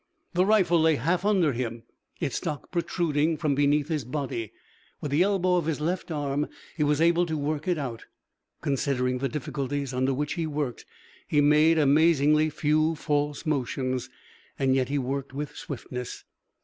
The rifle lay half under him, its stock protruding from beneath his body. With the elbow of his left arm he was able to work it out. Considering the difficulties under which he worked, he made amazingly few false motions; and yet he worked with swiftness.